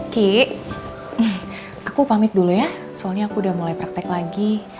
ki aku pamit dulu ya soalnya aku udah mulai praktek lagi